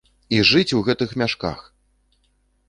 І жыць у гэтых мяшках!